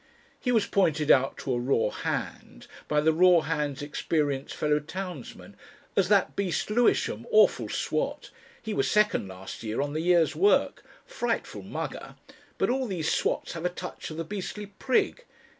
He was pointed out to a raw hand, by the raw hand's experienced fellow townsman, as "that beast Lewisham awful swat. He was second last year on the year's work. Frightful mugger. But all these swats have a touch of the beastly prig.